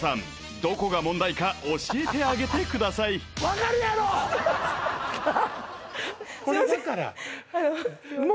どこが問題か教えてあげてくださいすいません！